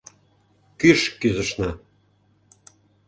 Кӱш кӱзышна.